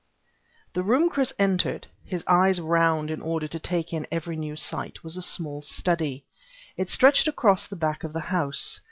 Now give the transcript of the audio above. The room Chris entered, his eyes round in order to take in every new sight, was a small study. It stretched across the back of the house.